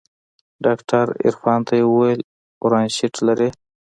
ډاکتر عرفان ته يې وويل برانشيت لري.